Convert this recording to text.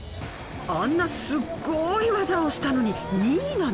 あんなすっごい技をしたのに。